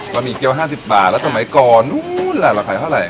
หมี่เกี้ยว๕๐บาทแล้วสมัยก่อนนู้นล่ะราคาเท่าไหร